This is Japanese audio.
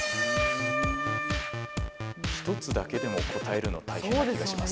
１つだけでも答えるの大変な気がします。